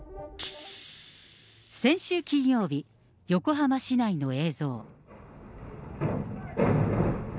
先週金曜日、横浜市内の映像。